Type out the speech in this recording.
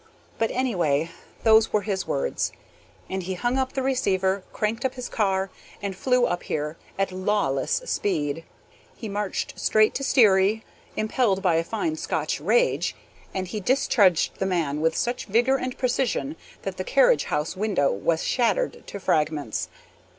But anyway, those were his words. And he hung up the receiver, cranked up his car, and flew up here at lawless speed. He marched straight to Sterry, impelled by a fine Scotch rage, and he discharged the man with such vigor and precision, that the carriage house window was shattered to fragments.